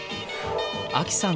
亜希さん